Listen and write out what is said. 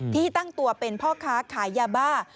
ที่ตั้งตัวเป็นพ่อค้าขายยาบ้า